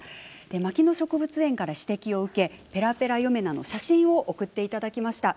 牧野植物園から指摘を受けペラペラヨメナの写真を送っていただきました。